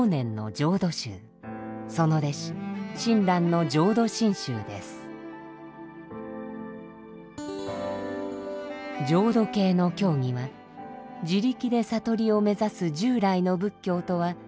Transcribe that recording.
浄土系の教義は自力で悟りを目指す従来の仏教とは一見全く異なります。